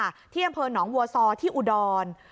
ที่สี่เมืองพื้นหนองหัวซอที่อุดอน